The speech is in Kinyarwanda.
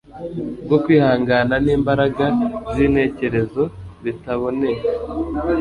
bwo kwihangana nimbaraga zintekerezo bitaboneka